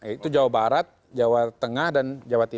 itu jawa barat jawa tengah dan jawa timur